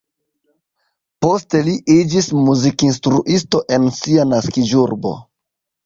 Poste li iĝis muzikinstruisto en sia naskiĝurbo.